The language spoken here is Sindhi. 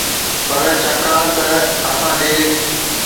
پر ڇاڪاڻ ته اسان جي